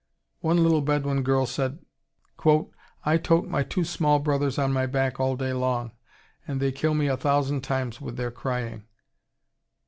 One little Bedouin girl said, "I tote my two small brothers on my back all day long, and they kill me a thousand times with their crying."